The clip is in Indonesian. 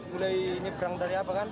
mulai nyebrang dari apa kan